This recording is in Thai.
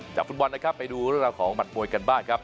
จากฟุตบอลนะครับไปดูเรื่องราวของหมัดมวยกันบ้างครับ